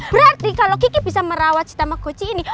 berarti kalo kiki bisa merawat si tamagoci ini